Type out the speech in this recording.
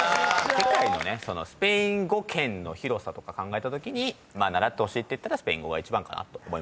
世界のねスペイン語圏の広さとか考えたときに習ってほしいっていったら「スペイン語」が一番かなと。